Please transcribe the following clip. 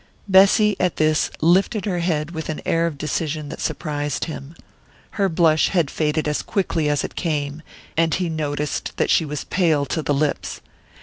Bessy, at this, lifted her head with an air of decision that surprised him. Her blush had faded as quickly as it came, and he noticed that she was pale to the lips.